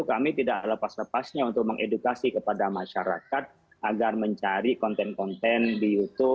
apa yang masuk dalam hal ini